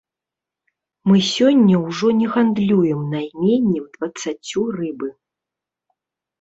Мы сёння ўжо не гандлюем найменнем дваццаццю рыбы.